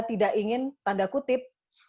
tidak ingin tanda kutip